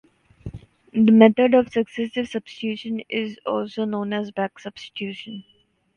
The method of successive substitution is also known as back substitution.